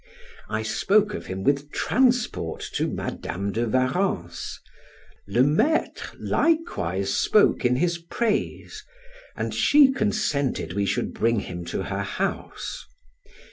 I spoke of him with transport to Madam de Warrens, Le Maitre likewise spoke in his praise, and she consented we should bring him to her house.